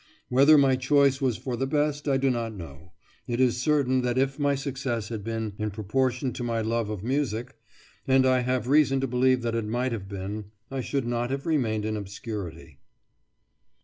Whether my choice was for the best I do not know; it is certain that if my success had been in proportion to my love of music, and I have reason to believe that it might have been, I should not have remained in obscurity.